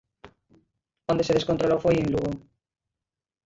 Onde se descontrolou foi en Lugo.